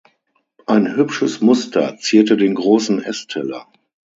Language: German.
Ein hübsches Muster zierte den großen Essteller.